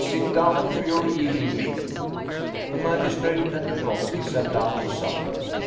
Sit down to your evening meal !" The magistrate and Dukovski sat down to supper.